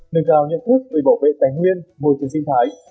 nâng cao nhận thức về bảo vệ tài nguyên môi trường sinh thái